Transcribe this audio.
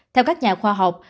theo các nhà khoa học